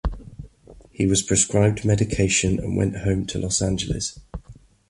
He was prescribed medication and went home to Los Angeles.